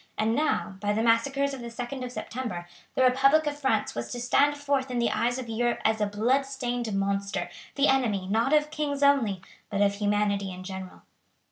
And now, by the massacres of the 2d of September, the republic of France was to stand forth in the eyes of Europe as a blood stained monster, the enemy, not of kings only, but of humanity in general.